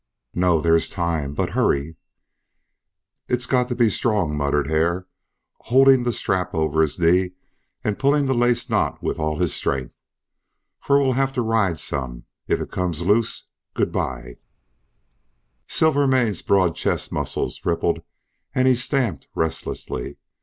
"No No. There's time, but hurry." "It's got to be strong," muttered Hare, holding the strap over his knee and pulling the laced knot with all his strength, "for we'll have to ride some. If it comes loose Good bye!" Silvermane's broad chest muscles rippled and he stamped restlessly.